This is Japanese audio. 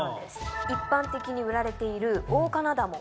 一般的に売られているオオカナダモ。